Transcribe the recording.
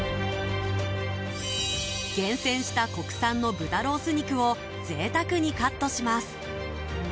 厳選した国産の豚ロース肉を贅沢にカットします。